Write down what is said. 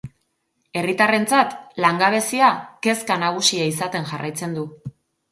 Herritarrentzat langabezia kezka nagusia izaten jarraitzen du.